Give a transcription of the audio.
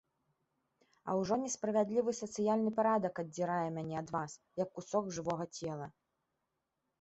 А ўжо несправядлівы сацыяльны парадак аддзірае мяне ад вас, як кусок жывога цела.